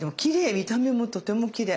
見た目もとてもきれい。